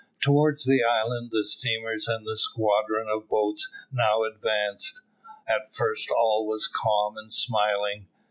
Towards the island the steamers and the squadron of boats now advanced. At first all was calm and smiling.